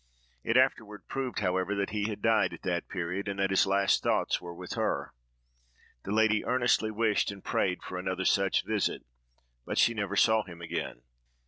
It afterward proved, however, that he had died at that period, and that his last thoughts were with her. This lady earnestly wished and prayed for another such visit, but she never saw him again.